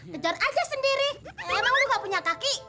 kejar aja sendiri emang lu ga punya kaki